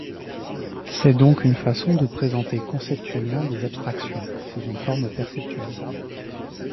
C'est donc une façon de présenter conceptuellement des abstractions, sous une forme perceptuelle.